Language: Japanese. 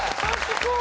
すごーい！